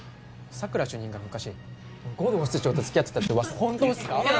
佐久良主任が昔護道室長と付き合ってたって噂本当っすか？